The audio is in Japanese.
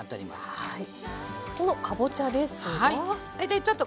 はい。